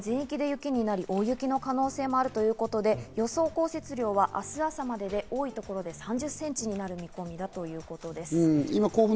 山梨県は全域で雪になり、大雪の可能性もあるということで、予想降雪量は明日朝までで、多い所で３０センチになる見込みだということです。